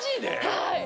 はい。